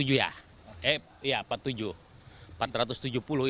itu dari pejagaan ya pak ya